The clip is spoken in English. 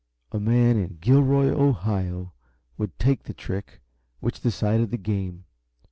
A man in Gilroy, Ohio, would take the trick which decided the game.